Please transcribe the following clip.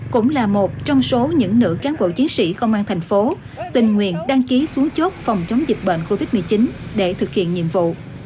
cũng là một trong số những nữ cán bộ chiến sĩ công an thành phố tình nguyện đăng ký xuống chốt phòng chống dịch bệnh covid một mươi chín để thực hiện nhiệm vụ